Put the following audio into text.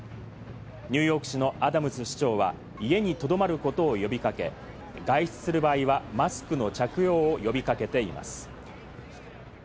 ニューヨーク市のアダムズ市長は家にとどまることを呼び掛け、外出する場合はマスクの着用を呼び掛けています。